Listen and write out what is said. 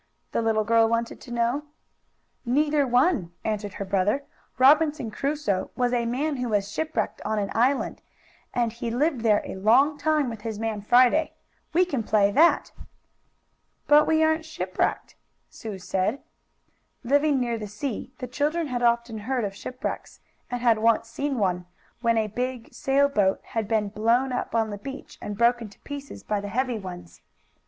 the little girl wanted to know. "Neither one," answered her brother. "Robinson Crusoe was a man who was shipwrecked on an island, and he lived there a long time with his man Friday. We can play that." "But we aren't shipwrecked," Sue said. Living near the sea the children had often heard of shipwrecks, and had once seen one, when a big sail boat had beep blown up on the beach and broken to pieces by the heavy waves.